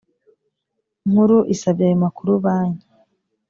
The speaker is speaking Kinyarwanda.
nkuru isabye ayo makuru banki